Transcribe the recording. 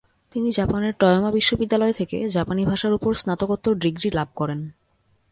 তিনি জাপানের টয়োমা বিশ্ববিদ্যালয় থেকে জাপানি ভাষার ওপর স্নাতকোত্তর ডিগ্রি লাভ করেন।